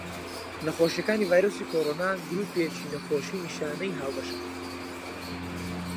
نەخۆشیەکانی ڤایرۆسی کۆڕۆنا گرووپێکی نەخۆشی نیشانەی هاوبەشن.